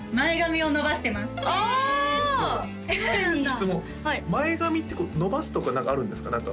質問前髪って伸ばすとか何かあるんですか？